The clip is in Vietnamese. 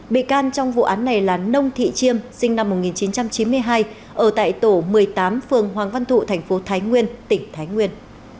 bị can trong vụ án này là nông thị chiêm sinh năm một nghìn chín trăm chín mươi hai ở tại tổ một mươi tám phường hoàng văn thụ thành phố thái nguyên tỉnh thái nguyên